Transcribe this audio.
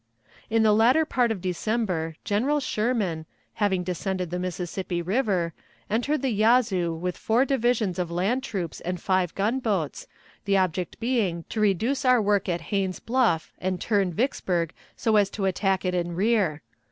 In the latter part of December General Sherman, having descended the Mississippi River, entered the Yazoo with four divisions of land troops and five gunboats, the object being to reduce our work at Haines's Bluff and turn Vicksburg so as to attack it in rear.